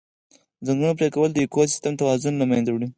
د ځنګلونو پرېکول د اکوسیستم توازن له منځه وړي.